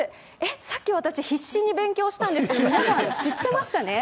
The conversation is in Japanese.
さっき私、必死に勉強したんですけど、皆さん、知ってましたね。